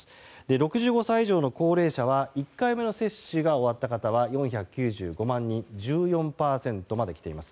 ６５歳以上の高齢者は１回目の接種が終わった方は４９５万人１４％まできています。